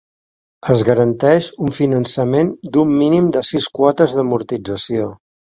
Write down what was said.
Es garanteix un finançament d'un mínim de sis quotes d'amortització.